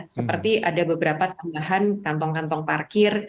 seperti ada beberapa tambahan kantong kantong parkir